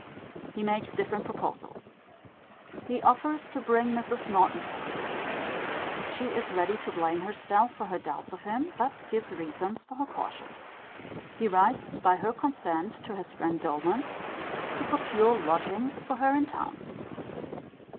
He makes different proposals. He offers to bring Mrs. Norton to her. She is ready to blame herself for her doubts of him: but gives reasons for her caution. He writes by her consent to his friend Doleman, to procure lodgings for her in town.